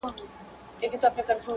چي بیرته کار ته روان یو